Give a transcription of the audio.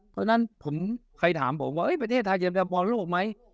เพราะฉะนั้นผมใครถามผมว่าประเทศไทยจะเป็นบอลโลกไหม